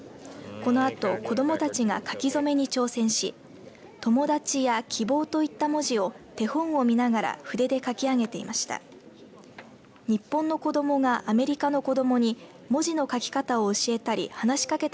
このあと子どもたちが書き初めに挑戦し友達や希望といった文字を手本を見ながら筆で書きあげていました。